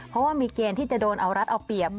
เพราะว่ามีเกณฑ์ที่จะโดนเอารัดเอาเปรียบ